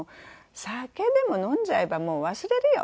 「酒でも飲んじゃえば忘れるよ」